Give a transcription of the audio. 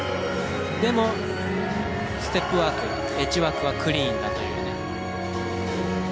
でもステップワークエッジワークはクリーンなというね。